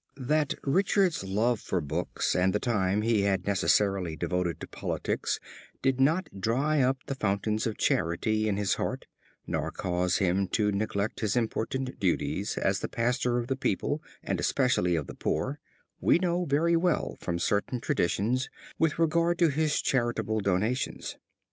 That Richard's love for books and the time he had necessarily devoted to politics did not dry up the fountains of charity in his heart, nor cause him to neglect his important duties as the pastor of the people and especially of the poor, we know very well from certain traditions with regard to his charitable donations.